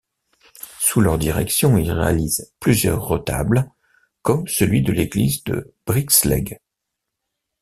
Sous leur direction, il réalise plusieurs retables, comme celui de l'église de Brixlegg.